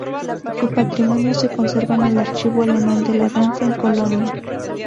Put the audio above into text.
Su patrimonio se conserva en el Archivo Alemán de la Danza, en Colonia.